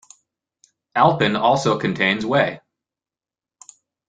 Alpen also contains whey.